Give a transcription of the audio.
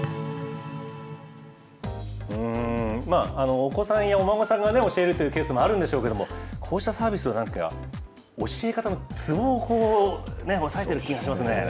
お子さんやお孫さんが教えるというケースもあるんでしょうけれども、こうしたサービスがなくては、教え方のツボを押さえている気がしますね。